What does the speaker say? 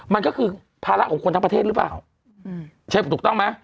มันก็คือภาระของคนทั้งประเทศหรือเปล่าใช่ป่ะถูกต้องไหม